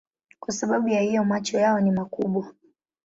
Kwa sababu ya hiyo macho yao ni makubwa.